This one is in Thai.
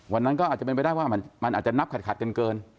วันนั้นก็อาจจะเป็นไปได้ว่ามันอาจจะนับขาดเกิน